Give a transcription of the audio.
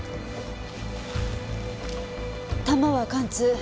弾は貫通。